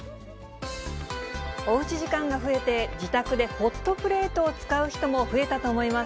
おうち時間が増えて、自宅でホットプレートを使う人も増えたと思います。